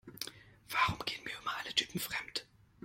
Warum gehen mir immer alle Typen fremd?